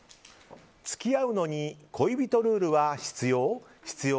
付き合うのに恋人ルールは必要？